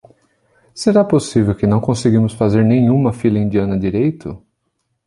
Será possível que não conseguimos fazer nem uma fila indiana direito?